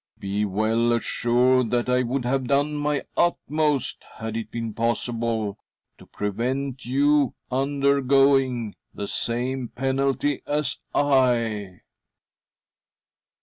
Be well assured that I would have done my utmost, had it been possible, to prevent you "'undergoing ' the same penalty as I."